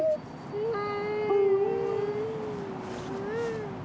うん。